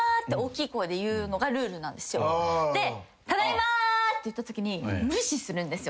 ただいま！って言ったときに無視するんですよ